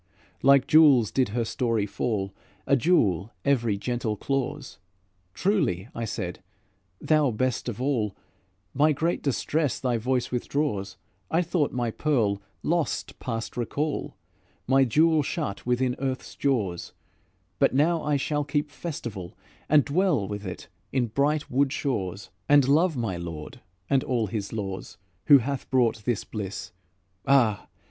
Like jewels did her story fall, A jewel, every gentle clause; "Truly," I said, "thou best of all! My great distress thy voice withdraws. I thought my pearl lost past recall, My jewel shut within earth's jaws; But now I shall keep festival, And dwell with it in bright wood shaws; And love my Lord and all His laws, Who hath brought this bliss. Ah!